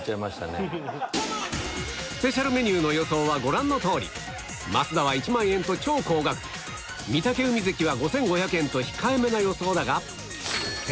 スペシャルメニューの予想はご覧の通り増田は１万円と超高額御嶽海関は５５００円と控えめな予想